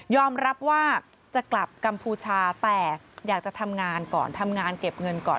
ยอมรับว่าจะกลับกัมพูชาแต่อยากจะทำงานเก็บเงินก่อน